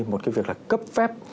một việc cấp phép